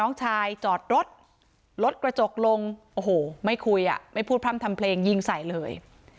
โอ้โหไม่คุยอ่ะไม่พูดพร่ำทำเพลงยิงใส่เลย